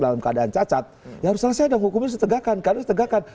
dalam keadaan cacat ya harus selesai dong hukumnya setegakan